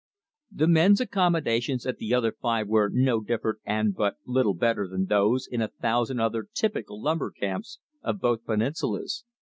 The men's accommodations at the other five were no different and but little better than those in a thousand other typical lumber camps of both peninsulas.